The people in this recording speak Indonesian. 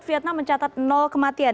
vietnam mencatat kematian